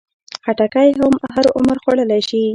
خټکی هر عمر خوړلی شي.